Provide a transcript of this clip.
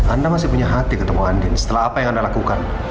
anda masih punya hati ketemu andin setelah apa yang anda lakukan